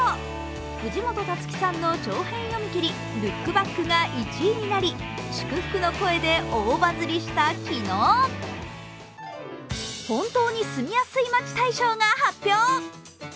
藤本タツキさんの長編読み切り、ルックバックがすごいと祝福の声で大バズりした昨日、本当に住みやすい街大賞が発表。